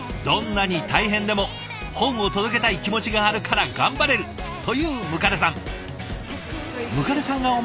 どんなに大変でも本を届けたい気持ちがあるから頑張れるという百足さん。